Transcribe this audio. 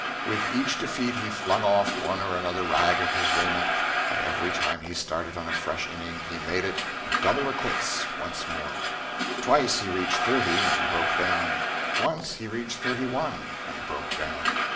With each defeat he flung off one or another rag of his raiment, and every time he started on a fresh inning he made it "double or quits" once more. Twice he reached thirty and broke down; once he reached thirty one and broke down.